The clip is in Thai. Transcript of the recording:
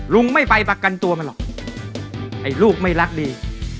ลุงไม่ไปประกันตัวมันหรอกไอ้ลูกไม่รักดี